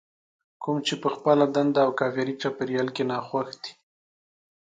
کوم چې په خپله دنده او کاري چاپېريال کې ناخوښ دي.